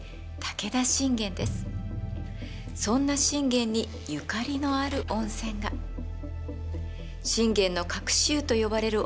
そんな信玄にゆかりのある温泉が「信玄の隠し湯」と呼ばれる温泉です。